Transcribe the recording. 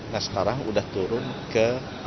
nah sekarang udah turun ke